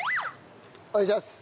お願いします。